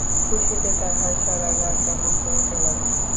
খুশিতে তাহার সারা গা কেমন করিতে লাগিল!